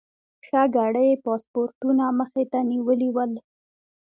ښه ګړی یې پاسپورټونه مخې ته نیولي ول.